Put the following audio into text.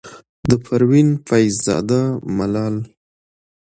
د پروين فيض زاده ملال،